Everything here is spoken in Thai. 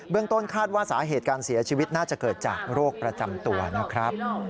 ต้นคาดว่าสาเหตุการเสียชีวิตน่าจะเกิดจากโรคประจำตัวนะครับ